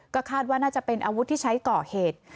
ก็คาดว่าน่าจะเป็นอาวุธที่ใช้ก่อเหตุ